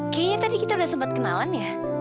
kayaknya tadi kita udah sempat kenalan ya